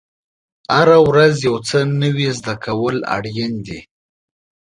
هره ورځ یو څه نوی زده کول اړین دي.